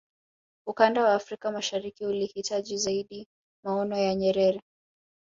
ukanda wa afrika mashariki ulihitaji zaidi maono ya nyerere